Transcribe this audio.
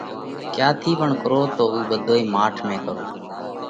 ڪيا ٿِي پڻ ڪرو تو اُو ٻڌوئي ماٺ ۾ ڪرو۔